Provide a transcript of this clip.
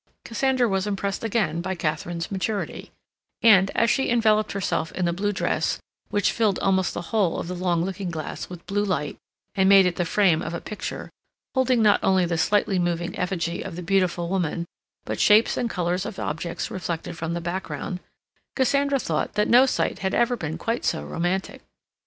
Cassandra was impressed again by Katharine's maturity; and, as she enveloped herself in the blue dress which filled almost the whole of the long looking glass with blue light and made it the frame of a picture, holding not only the slightly moving effigy of the beautiful woman, but shapes and colors of objects reflected from the background, Cassandra thought that no sight had ever been quite so romantic.